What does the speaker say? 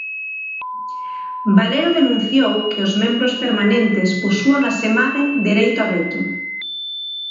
Valero denunciou que os membros permanentes, posúan asemade dereito a veto.